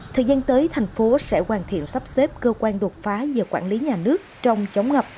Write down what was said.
thời gian tới thành phố sẽ hoàn thiện sắp xếp cơ quan đột phá về quản lý nhà nước trong chống ngập